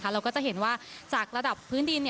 เราก็จะเห็นว่าจากระดับพื้นดิน